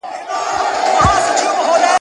برابر پر نعمتونو سو ناپامه ,